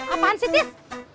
apaan sih dis